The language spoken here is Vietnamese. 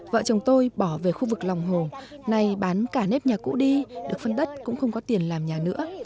vợ chồng tôi bỏ về khu vực lòng hồ nay bán cả nếp nhà cũ đi được phân đất cũng không có tiền làm nhà nữa